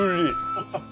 ハハハ。